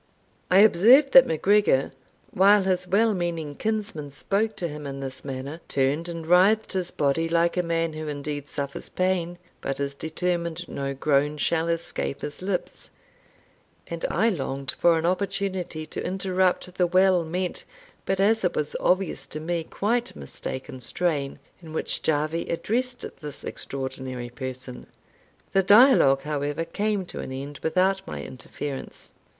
I observed that MacGregor, while his well meaning kinsman spoke to him in this manner, turned and writhed his body like a man who indeed suffers pain, but is determined no groan shall escape his lips; and I longed for an opportunity to interrupt the well meant, but, as it was obvious to me, quite mistaken strain, in which Jarvie addressed this extraordinary person. The dialogue, however, came to an end without my interference.